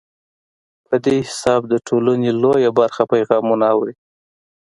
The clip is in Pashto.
په دې حساب د ټولنې لویه برخه پیغامونه اوري.